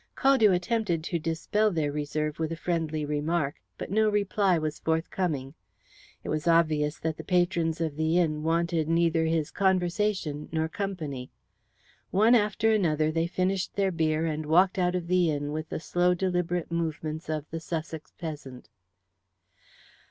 Caldew attempted to dispel their reserve with a friendly remark, but no reply was forthcoming. It was obvious that the patrons of the inn wanted neither his conversation nor company. One after another, they finished their beer and walked out of the inn with the slow deliberate movements of the Sussex peasant.